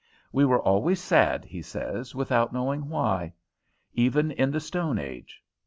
We were always sad, he says, without knowing why; even in the Stone Age.